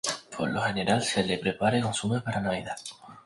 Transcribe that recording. Por lo general se le prepara y consume para Navidad.